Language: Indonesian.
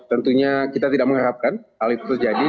tentunya kita tidak mengharapkan hal itu terjadi